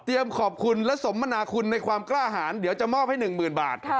ขอบคุณและสมมนาคุณในความกล้าหารเดี๋ยวจะมอบให้๑๐๐๐บาท